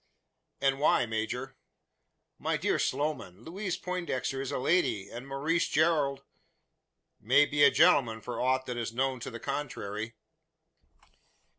"And why, major?" "My dear Sloman, Louise Poindexter is a lady, and Maurice Gerald " "May be a gentleman for aught that is known to the contrary."